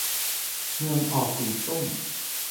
เมืองออกสีส้ม